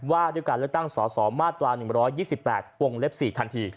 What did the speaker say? ว่าด้วยการเลือกตั้งสอสอมาตรา๑๒๘วงเล็บ๔ทันที